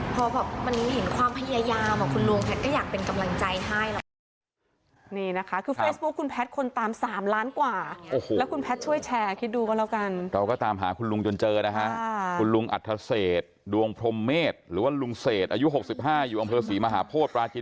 พอแบบมันเห็นความพยายามของคุณลุงแพทย์ก็อยากเป็นกำลังใจให้